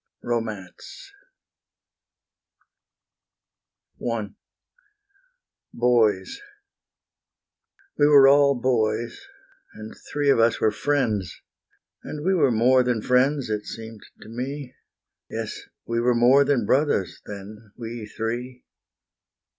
Romance I Boys We were all boys, and three of us were friends; And we were more than friends, it seemed to me: Yes, we were more than brothers then, we three.